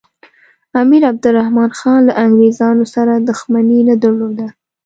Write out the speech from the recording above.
امیر عبدالرحمن خان له انګریزانو سره دښمني نه درلوده.